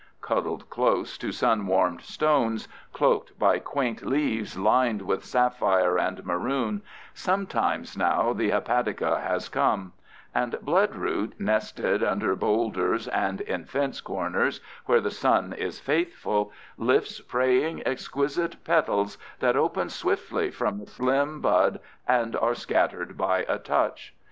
Cuddled close to sun warmed stones, cloaked by quaint leaves lined with sapphire and maroon, sometimes now the hepatica has come; and bloodroot nested under bowlders, and in fence corners where the sun is faithful, lifts praying, exquisite petals that open swiftly from the slim bud and are scattered by a touch.